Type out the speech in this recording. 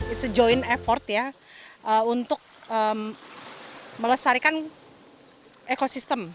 ini adalah usaha bersama untuk melestarikan ekosistem